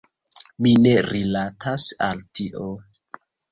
Mi ne rilatas al tio.